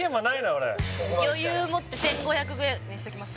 俺余裕もって１５００ぐらいにしときます？